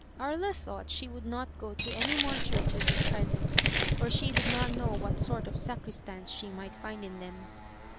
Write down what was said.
*' Aria thought she would not go to any more churches at present, for she did not know what sort of sacristans she might find in them.